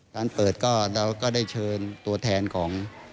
การเปิดก็เราก็ได้เชิญตัวแทนของ